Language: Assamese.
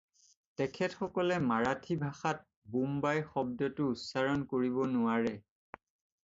তেখেতসকলে মাৰাঠী ভাষাত বোম্বাই শব্দটো উচ্চাৰণ কৰিব নোৱাৰে।